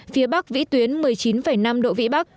phía bắc vĩ tuyến một mươi chín năm độ vĩ bắc